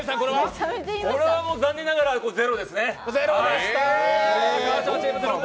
これは残念ながらゼロですね。